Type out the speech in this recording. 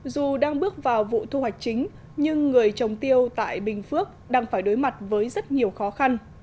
dù đang bước vào vụ thu hoạch chính nhưng người trồng tiêu tại bình phước đang phải đối mặt với rất nhiều khó khăn